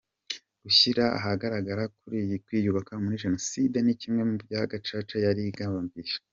Gushyira ahagaragara ukuri kw’ibyabaye muri Jenoside ni kimwe mu byo Gacaca yari igamije.